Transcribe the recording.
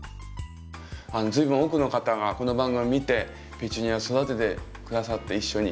随分多くの方がこの番組を見てペチュニア育てて下さって一緒に。